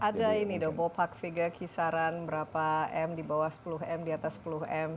ada ini bopak vega kisaran berapa m di bawah sepuluh m di atas sepuluh m